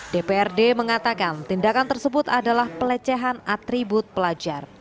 dprd mengatakan tindakan tersebut adalah pelecehan atribut pelajar